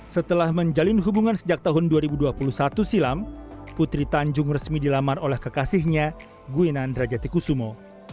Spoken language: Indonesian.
setelah menjalin hubungan sejak tahun dua ribu dua puluh satu silam putri tanjung resmi dilamar oleh kekasihnya gwinandra jatikusumo